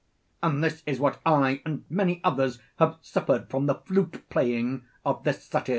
And this is what I and many others have suffered from the flute playing of this satyr.